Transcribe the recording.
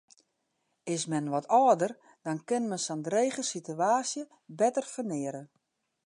Is men wat âlder, dan kin men sa'n drege sitewaasje better ferneare.